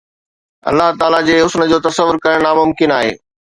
الله تعاليٰ جي حسن جو تصور ڪرڻ ناممڪن آهي